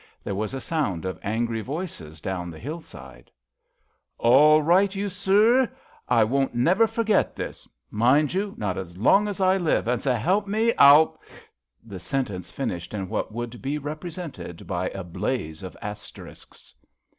There was a sound of angry voices down the hillside. 100 THE LIKES 0' US 101 " All right, you soor — ^I won't never forget this —mind you, not as long as I live, and s* 'elp me —I'll '' The sentence finished in what could be represented by a blaze of asterisks.